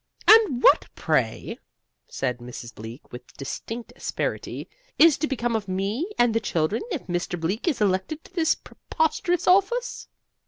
"And what, pray," said Mrs. Bleak with distinct asperity, "is to become of me and the children if Mr. Bleak is elected to this preposterous office?"